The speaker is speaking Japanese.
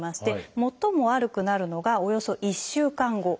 最も悪くなるのがおよそ１週間後なんですね。